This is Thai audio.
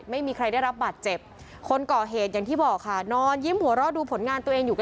ไม่มีใครได้รับบาดเจ็บคนก่อเหตุอย่างที่บอกค่ะนอนยิ้มหัวเราะดูผลงานตัวเองอยู่กัน